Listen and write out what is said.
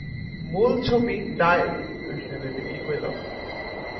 মূল ছবি ডয়লীর।